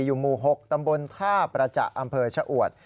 อยู่หมู่๖ตำบล๕ประจะอำเภอเช่าอวด